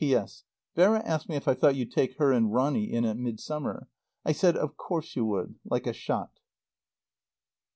P.S. Vera asked me if I thought you'd take her and Ronny in at Midsummer. I said of course you would like a shot.